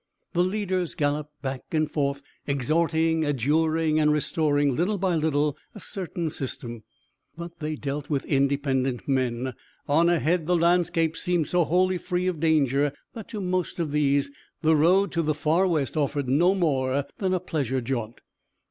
The leaders galloped back and forth, exhorting, adjuring and restoring little by little a certain system. But they dealt with independent men. On ahead the landscape seemed so wholly free of danger that to most of these the road to the Far West offered no more than a pleasure jaunt.